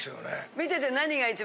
見てて何が一番